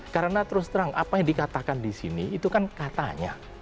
karena terus terang apa yang dikatakan di sini itu kan katanya